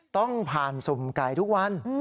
ต้องผ่านสุ่มไก่ทุกวัน